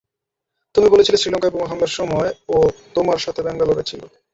তুমি বলেছিলে শ্রীলংকায় বোমা হামলার সময় ও তোমার সাথে ব্যাঙ্গালোরে ছিল।